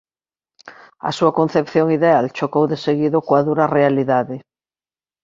A súa concepción ideal chocou deseguido coa dura realidade.